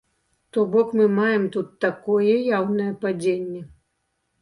То бок мы маем тут такое яўнае падзенне.